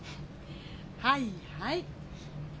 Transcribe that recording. はいはい。